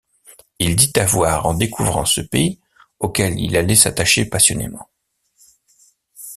Il dit avoir en découvrant ce pays auquel il allait s'attacher passionnément.